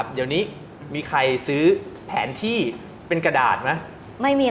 เดี๋ยวนี้มีใครซื้อแผนที่เป็นกระดาษไหม